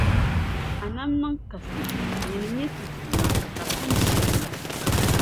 A nam niŋ kasi, nyini n-nyɛ ti Duuma ka pa ni shɛli yaha.